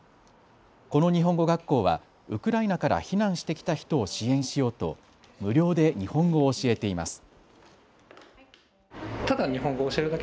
この日本語学校はウクライナから避難してきた人を支援しようと無料で日本語を教えています。